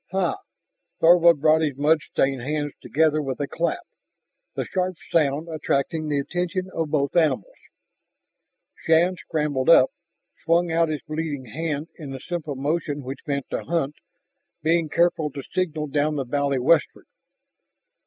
"Ha!" Thorvald brought his mud stained hands together with a clap, the sharp sound attracting the attention of both animals. Shann scrambled up, swung out his bleeding hand in the simple motion which meant to hunt, being careful to signal down the valley westward.